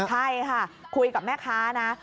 ใช่ค่ะคุยกับแม่ค้านะ